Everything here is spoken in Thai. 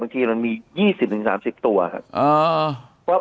บางทีมันมี๒๐๓๐ตัวครับ